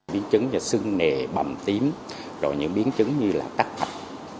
biến chứng sưng nề bầm tím là những biến chứng như là tắc mạch